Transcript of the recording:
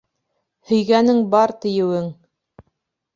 Һөйгәнең бар, тиеүең...